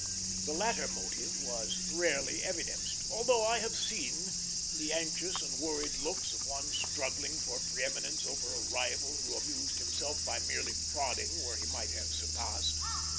The latter motive was rarely evidenced, although I have seen the anxious and worried looks of one struggling for pre eminence over a rival who amused himself by merely prodding where he might have surpassed.